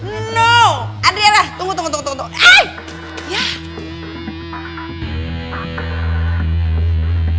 no adriana tunggu tunggu tunggu